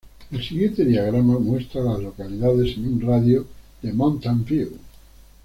El siguiente diagrama muestra a las localidades en un radio de de Mountain View.